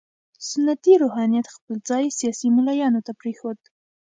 سنتي روحانیت خپل ځای سیاسي ملایانو ته پرېښود.